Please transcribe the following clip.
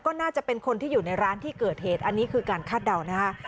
ก็น่าจะเป็นคนที่อยู่ในร้านที่เกิดเหตุอันนี้คือการคาดเดานะคะ